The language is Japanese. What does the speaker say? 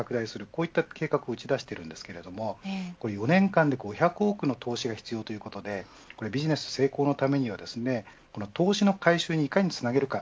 こういった計画を打ち出していますが４年間で５００億の投資が必要ということでビジネス成功のためには投資の回収にいかにつなげるか。